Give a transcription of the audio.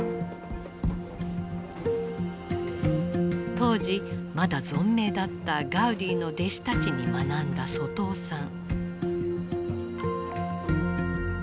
当時まだ存命だったガウディの弟子たちに学んだ外尾さん。